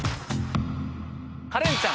カレンちゃん。